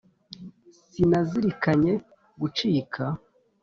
sinazirikanye gucika